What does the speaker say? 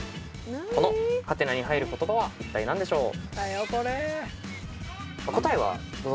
この「？」に入る言葉は一体何でしょう？